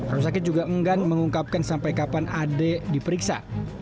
rumah sakit juga enggan mengungkapkan sampai kapan ade diperiksa